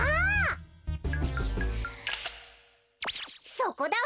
そこだわ！